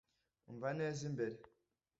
Umva neza imbere